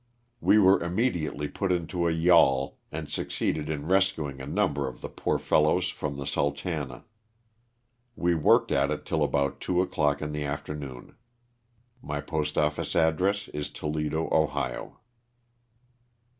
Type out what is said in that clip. We were immedi ately put into a yawl and succeeded in rescuing a num ber of the poor fellows from the "Sultana." We worked at it till about two o'clock in the afternoon. My postoffice address is Toledo, Ohio.